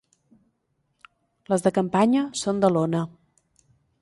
Les de campanya són de lona.